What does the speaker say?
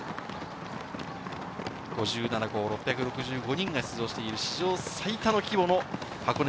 ５７校、６６５人が出場している、史上最多の規模の箱根